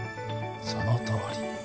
そのとおり。